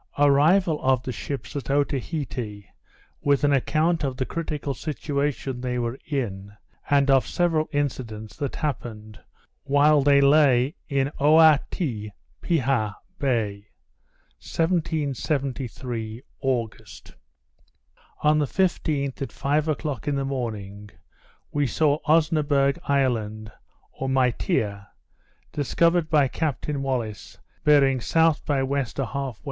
_Arrival of the Ships at Otaheite, with an Account of the critical Situation they were in, and of several Incidents that happened while they lay in Oaiti piha Bay._ 1773 August On the 15th, at five o'clock in the morning, we saw Osnaburg Island, or Maitea, discovered by Captain Wallis, bearing S. by W. 1/2 W.